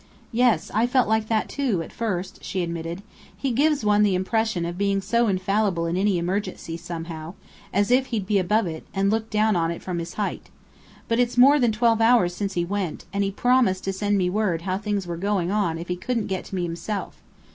"Yes, I felt like that, too, at first," she admitted. "He gives one the impression of being so infallible in any emergency, somehow, as if he'd be above it, and look down on it from his height. But it's more than twelve hours since he went, and he promised to send me word how things were going on if he couldn't get to me himself.